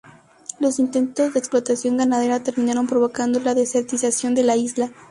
Los intentos de explotación ganadera terminaron provocando la desertización de la isla.